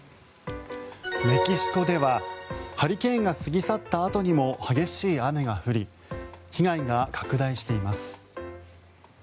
メキシコではハリケーンが過ぎ去ったあとにも激しい雨が降り被害が拡大しています。